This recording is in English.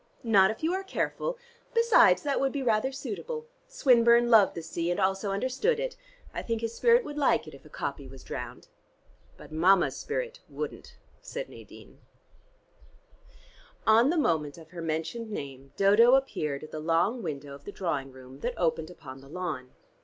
"Not if you are careful. Besides, that would be rather suitable. Swinburne loved the sea, and also understood it. I think his spirit would like it, if a copy was drowned." "But Mama's spirit wouldn't," said Nadine. On the moment of her mentioned name Dodo appeared at the long window of the drawing room that opened upon the lawn.